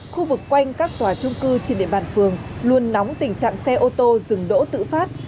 khu vực quanh các tòa trung cư trên địa bàn phường luôn nóng tình trạng xe ô tô dừng đỗ tự phát